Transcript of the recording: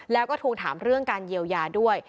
แล้วก็ทวงถามเรื่องการเยียวยาด้วย